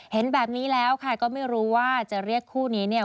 เห็นแบบนี้แล้วค่ะก็ไม่รู้ว่าจะเรียกคู่นี้เนี่ย